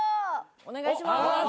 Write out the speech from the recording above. お願いします。